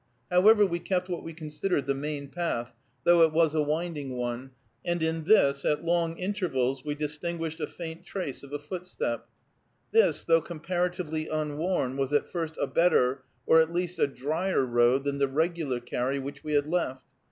However, we kept what we considered the main path, though it was a winding one, and in this, at long intervals, we distinguished a faint trace of a footstep. This, though comparatively unworn, was at first a better, or, at least, a drier road than the regular carry which we had left.